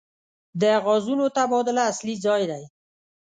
د غازونو تبادله اصلي ځای دی.